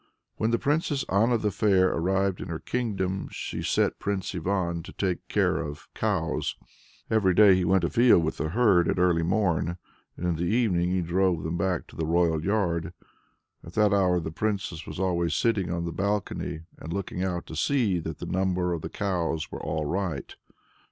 When the Princess Anna the Fair arrived in her kingdom, she set Prince Ivan to take care of the cows. Every day he went afield with the herd at early morn, and in the evening he drove them back to the royal yard. At that hour the Princess was always sitting on the balcony, and looking out to see that the number of the cows were all right.